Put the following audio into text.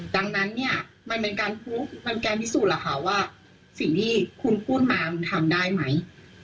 ดังนั้นเนี่ยมันเป็นการพูดมันการพิสูจน์ล่ะค่ะว่าสิ่งที่คุณพูดมาคุณทำได้ไหม